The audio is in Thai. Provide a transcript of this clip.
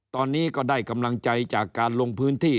ตอนนี้ก็ได้กำลังใจจากการลงพื้นที่